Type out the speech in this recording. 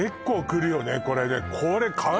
これね